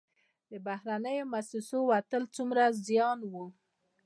د بهرنیو موسسو وتل څومره زیان و؟